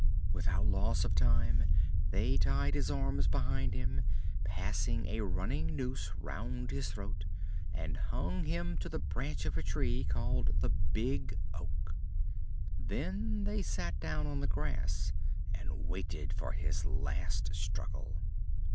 Without loss of time they tied his arms behind him, passed a running noose round his throat, and hung him to the branch of a tree called the Big Oak. They then sat down on the grass and waited for his last struggle.